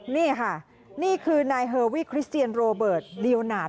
นี่ค่ะนี่คือนายเฮอร์วี่คริสเตียนโรเบิร์ตเดียวหนาด